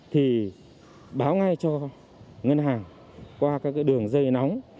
thì báo ngay cho ngân hàng qua các cái đường dây nóng